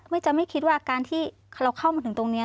จะไม่คิดว่าการที่เราเข้ามาถึงตรงนี้